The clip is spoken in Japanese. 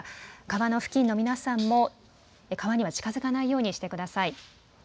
川の付近の皆さんも川には近づかないようにしてください。